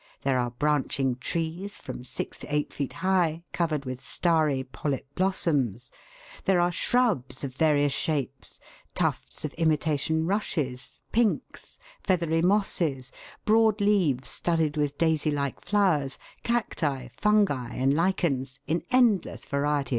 There are branching trees, from six to eight feet high, covered with starry polyp blossoms ; there are shrubs of various shapes, tufts of imitation rushes, pinks, feathery mosses, broad leaves studded with daisy like flowers, cacti, fungi, and lichens, in endless variety of Fig.